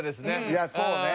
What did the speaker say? いやそうね。